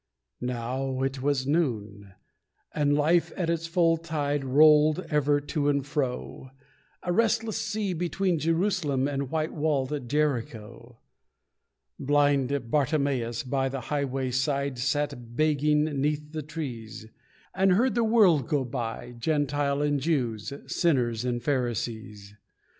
Now it was noon, and life at its full tide Rolled ever to and fro, A restless sea, between Jerusalem And white walled Jericho. Blind Bartimeus, by the highway side, Sat begging 'neath the trees, And heard the world go by, Gentiles and Jews, Sinners and Pharisees.